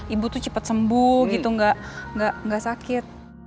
ibu tuh cepet sembuh gitu nggak sakit